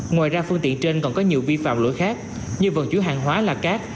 ngoài ra phương tiện trên còn có nhiều vi phạm lỗi khác như vận chuyển hàng hóa là cát